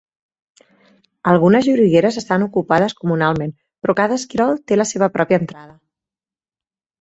Algunes llorigueres estan ocupades comunalment, però cada esquirol té la seva pròpia entrada.